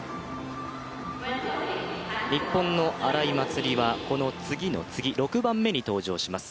日本の荒井祭里は、この次の次６番目に登場します。